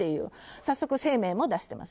早速、声明を出しています。